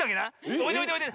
おいでおいでおいで！